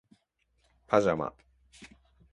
パジャマ